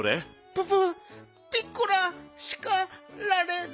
ププッピッコラしかられる？